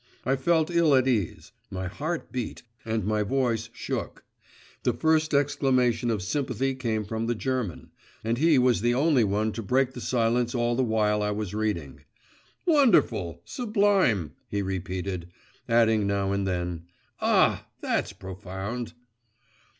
I felt ill at ease; my heart beat, and my voice shook. The first exclamation of sympathy came from the German, and he was the only one to break the silence all the while I was reading.… 'Wonderful! sublime!' he repeated, adding now and then, 'Ah! that's profound.